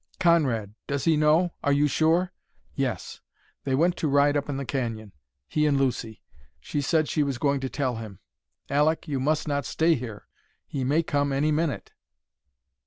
"Conrad! Does he know? Are you sure?" "Yes. They went to ride up the canyon, he and Lucy. She said she was going to tell him. Aleck, you must not stay here! He may come any minute!"